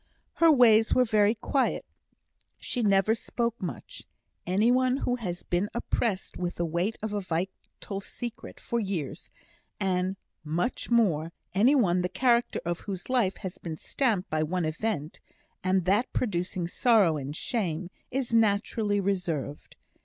Her ways were very quiet; she never spoke much. Any one who has been oppressed with the weight of a vital secret for years, and much more any one the character of whose life has been stamped by one event, and that producing sorrow and shame, is naturally reserved.